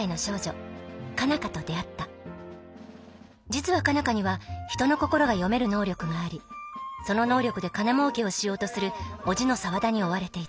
実は佳奈花には人の心が読める能力がありその能力で金もうけをしようとする叔父の沢田に追われていた。